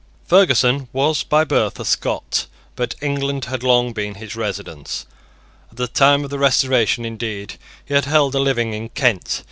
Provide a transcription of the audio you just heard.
Ferguson was by birth a Scot; but England had long been his residence. At the time of the Restoration, indeed, he had held a living in Kent.